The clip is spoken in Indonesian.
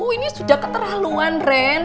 ini sudah keterlaluan ren